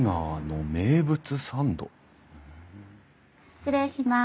失礼します。